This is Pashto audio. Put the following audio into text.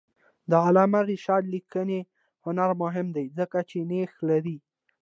د علامه رشاد لیکنی هنر مهم دی ځکه چې نیښ لري.